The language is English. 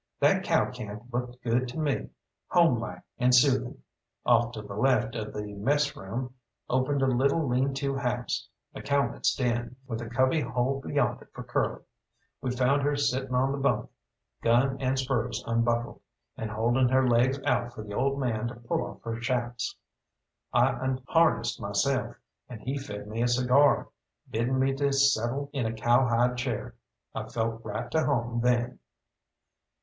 That cow camp looked good to me, home like and soothing. Off to the left of the messroom opened a little lean to house McCalmont's den with a cubby hole beyond it for Curly. We found her sitting on the bunk, gun and spurs unbuckled, and holding her legs out for the old man to pull off her shaps. I unharnessed myself, and he fed me a cigar, bidding me to settle in a cow hide chair. I felt right to home then.